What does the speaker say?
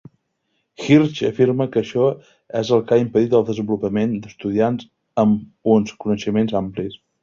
Hirsch afirma que això és el que ha impedit el desenvolupament d'estudiants amb uns coneixements amplis.